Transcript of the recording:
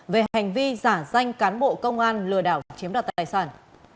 về hành vi giả danh cán bộ công an lừa đảo chiếm đoạt tài sản